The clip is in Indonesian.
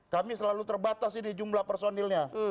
kami selalu terbatas sih di jumlah personilnya